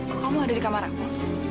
kau mau udah di kamar aku